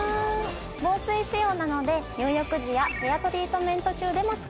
防水仕様なので入浴時やヘアトリートメント中でも使えます。